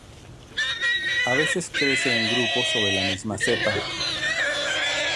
A veces crece en grupos sobre la misma cepa.